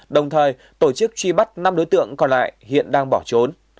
đồng thời tổ chức truy bắt năm đối tượng còn lại hiện đang bỏ trốn